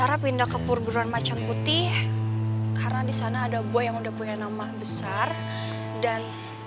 sarah pindah ke pulguran macan putih karena disana ada boy yang udah punya nama besar dan